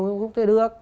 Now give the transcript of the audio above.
không có thể được